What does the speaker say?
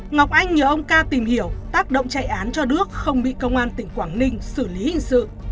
ngọc anh nhờ ông ca tìm hiểu tác động chạy án cho đước không bị công an tỉnh quảng ninh xử lý hình sự